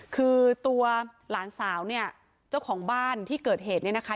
คือตัวหลานสาวเนี่ยเจ้าของบ้านที่เกิดเหตุเนี่ยนะคะ